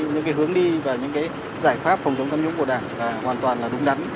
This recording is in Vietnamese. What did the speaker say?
những cái hướng đi và những cái giải pháp phòng chống tham nhũng của đảng là hoàn toàn đúng đắn